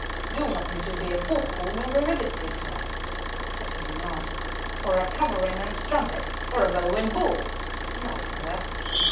"Do you want me to be a foghorn, or a river steam tug?" "Certainly not." "Or a cavalry man's trumpet, or a bellowing bull?" "No, father."